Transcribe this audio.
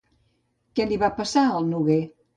Què li va passar al noguer?